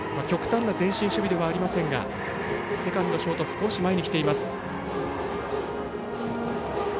極端な前進守備ではありませんがセカンド、ショート少し前に来ています。